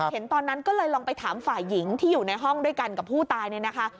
เห็นตอนนั้นก็เลยลองไปถามฝ่ายหญิงที่อยู่ในห้องด้วยกันกับผู้ตายเนี่ยนะคะ